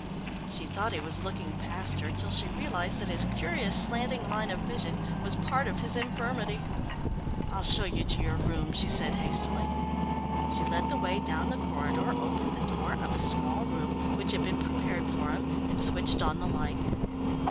She thought he was looking past her, till she realised that his curious slanting line of vision was part of his infirmity. "I'll show you to your room," she said hastily. She led the way down the corridor, opened the door of a small room which had been prepared for him, and switched on the light.